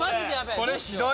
これはひどい。